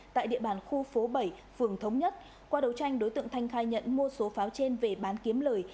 tại địa bàn khu phố bảy phường thống nhất qua đấu tranh đối tượng thanh khai nhận mua số pháo trên về bán kiếm lời